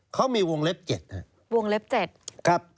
เขามีวงเล็บ๗